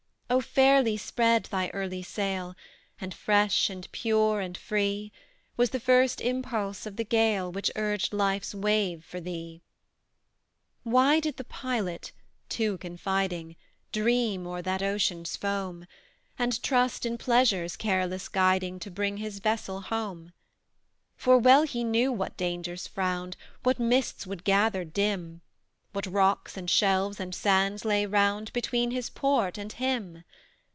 O, fairly spread thy early sail, And fresh, and pure, and free, Was the first impulse of the gale Which urged life's wave for thee! Why did the pilot, too confiding, Dream o'er that ocean's foam, And trust in Pleasure's careless guiding To bring his vessel home? For well he knew what dangers frowned, What mists would gather, dim; What rocks and shelves, and sands lay round Between his port and him.